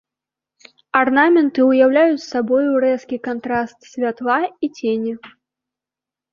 Арнаменты ўяўляюць сабою рэзкі кантраст святла і цені.